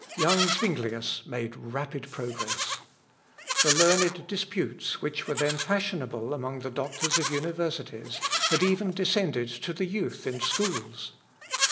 Young Zuinglius made rapid progress. The learned disputes which were then fashionable among the doctors of universities had even descended to the youth in schools.